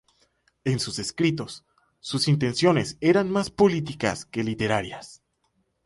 En sus escritos sus intenciones eran más políticas que literarias.